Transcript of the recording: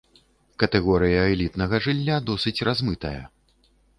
Катэгорыя элітнага жылля досыць размытая.